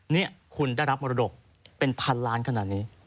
นี่คุณได้รับมรดกเป็นพันล้านขนาดนี้